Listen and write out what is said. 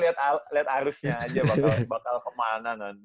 liat isu aja lah liat arusnya aja bakal kemana nanti